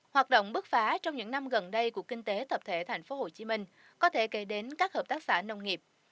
hoạt động bước phá trong những năm gần đây của kinh tế tập thể tp hcm có thể kể đến các hợp tác xã nông nghiệp